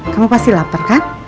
kamu pasti lapar kan